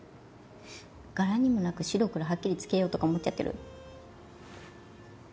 柄にもなく白黒はっきりつけようとか思っちゃってる？